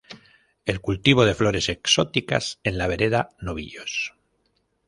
El cultivo de flores exóticas en la vereda Novillos.